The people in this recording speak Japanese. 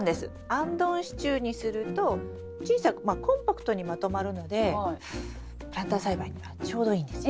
あんどん支柱にすると小さくコンパクトにまとまるのでプランター栽培にはちょうどいいんですよ。